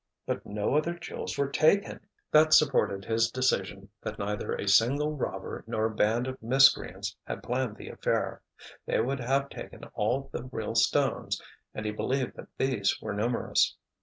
"But no other jewels were taken!" That supported his decision that neither a single robber nor a band of miscreants had planned the affair. They would have taken all the real stones, and he believed that these were numerous.